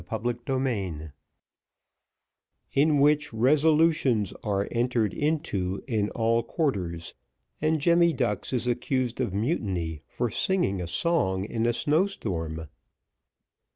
Chapter XII In which resolutions are entered into in all quarters, and Jemmy Ducks is accused of mutiny for singing a song in a snow storm.